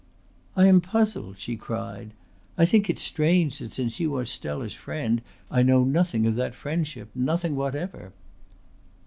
"I am puzzled," she cried. "I think it's strange that since you are Stella's friend I knew nothing of that friendship nothing whatever."